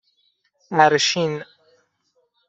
اَرشین